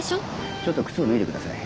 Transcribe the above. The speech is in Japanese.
ちょっと靴を脱いでください。